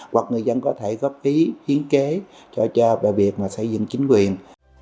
hoặc người dân có thể góp ý hiến kế cho việc xây dựng chính quyền